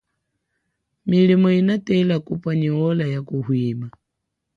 Milimo inatela kubwa nyi ola ya kuhwima.